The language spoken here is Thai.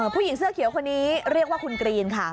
ผู้หญิงเสื้อเขียวคนนี้เรียกว่าคุณกรีนค่ะ